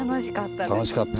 楽しかった。